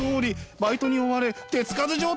バイトに追われ手つかず状態！